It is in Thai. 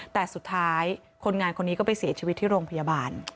แต่สุดท้ายคนงานคนนี้ก็ไปเสียชีวิตที่โรงพยาบาล